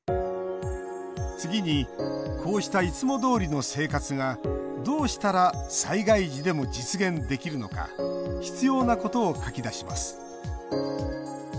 次に、こうしたいつもどおりの生活がどうしたら災害時でも実現できるのか必要なことを書き出します。